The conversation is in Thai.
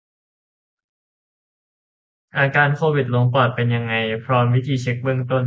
อาการโควิดลงปอดเป็นยังไง พร้อมวิธีเช็กเบื้องต้น